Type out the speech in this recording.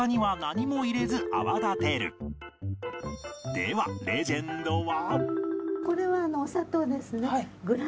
ではレジェンドは